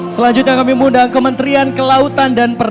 selanjutnya kami undang kementerian kelautan dan bersama